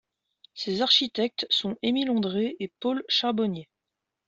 Ses architectes sont Émile André et Paul Charbonnier.